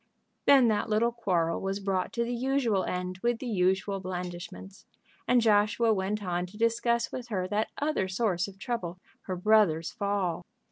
Then that little quarrel was brought to the usual end with the usual blandishments, and Joshua went on to discuss with her that other source of trouble, her brother's fall.